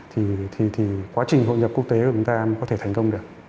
thì quá trình hội nhập quốc tế của chúng ta mới có thể thành công được